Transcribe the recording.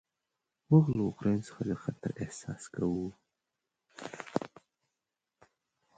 موږ له اوکراین څخه د خطر احساس کوو.